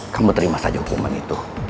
kamu terima saja hukuman itu